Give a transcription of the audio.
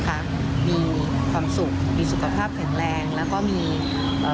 มีความสุขมีสุขภาพแข็งแรงแล้วก็มีเอ่อ